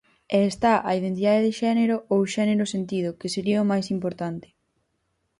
E está a identidade de xénero ou xénero sentido, que sería o máis importante.